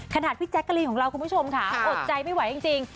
ขนาดพี่แจ๊กกะลีนของเราคุณผู้ชมค่ะอดใจไม่ไหวจริง